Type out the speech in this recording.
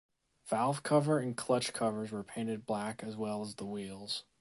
Valve cover and clutch covers were painted black as well as the wheels.